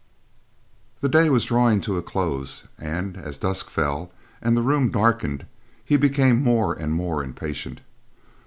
The day was drawing to a close and, as dusk fell and the room darkened, he became more and more impatient.